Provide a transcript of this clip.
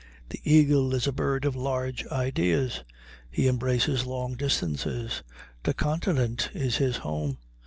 The eagle is a bird of large ideas; he embraces long distances; the continent is his home.